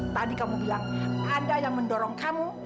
tadi kamu bilang ada yang mendorong kamu